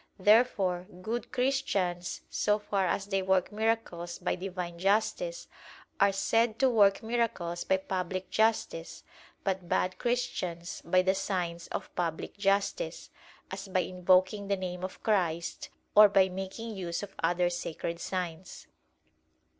Therefore good Christians, so far as they work miracles by Divine justice, are said to work miracles by "public justice": but bad Christians by the "signs of public justice," as by invoking the name of Christ, or by making use of other sacred signs.